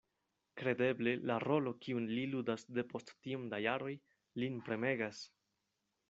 Kredeble la rolo, kiun li ludas depost tiom da jaroj, lin premegas.